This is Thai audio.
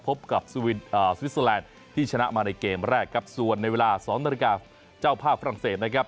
พบกับสวิสเตอร์แลนด์ที่ชนะมาในเกมแรกครับส่วนในเวลา๒นาฬิกาเจ้าภาพฝรั่งเศสนะครับ